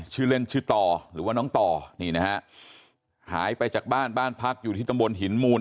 ชื่อเล่นชื่อต่อหรือว่าน้องต่อนี่นะฮะหายไปจากบ้านบ้านพักอยู่ที่ตำบลหินมูล